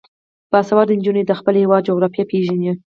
باسواده نجونې د خپل هیواد جغرافیه پیژني.